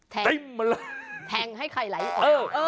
แทงให้ไข่ไหลออก